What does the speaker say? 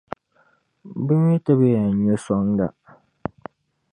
bɛ mi ti bi yɛn nya sɔŋda.